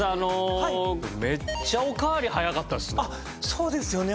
そうですよね。